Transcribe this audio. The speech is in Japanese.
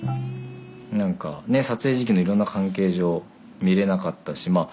何か撮影時期のいろんな関係上見れなかったしまあ